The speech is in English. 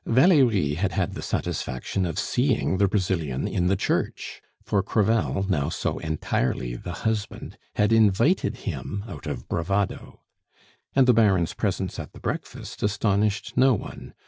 Valerie had had the satisfaction of seeing the Brazilian in the church; for Crevel, now so entirely the husband, had invited him out of bravado. And the Baron's presence at the breakfast astonished no one.